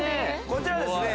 こちらはですね